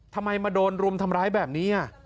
ทำไมมาโดนรุมทำร้ายแบบนี้